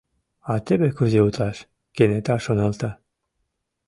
«А теве кузе утлаш!» — кенета шоналта.